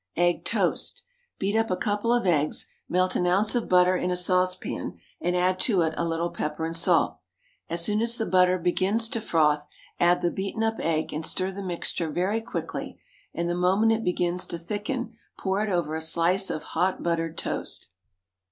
EGG TOAST. Beat up a couple of eggs, melt an ounce of butter in a saucepan, and add to it a little pepper and salt. As soon as the butter begins to froth, add the beaten up egg and stir the mixture very quickly, and the moment it begins to thicken pour it over a slice of hot buttered toast.